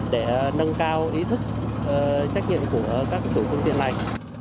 để nâng cao ý thức trách nhiệm của các chủ công ty này